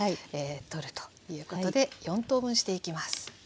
取るということで４等分していきます。